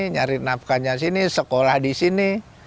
nyari nafkahnya sini sekolah di sini